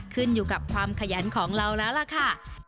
ขึ้นอยู่กับความขยันของเราแล้วล่ะค่ะ